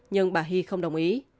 nhưng bà hy không đồng ý